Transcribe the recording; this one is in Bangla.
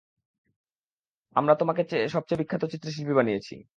আমরা তোমাকে সবচেয়ে বিখ্যাত চিত্রশিল্পী বানিয়েছি।